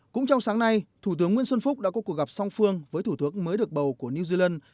cũng trong sáng nay thủ tướng nguyễn xuân phúc đã có cuộc gặp song phương với thủ tướng mới được bầu của new zealand